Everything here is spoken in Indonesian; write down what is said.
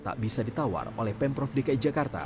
tak bisa ditawar oleh pemprov dki jakarta